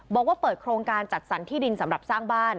บอกว่าเปิดโครงการจัดสรรที่ดินสำหรับสร้างบ้าน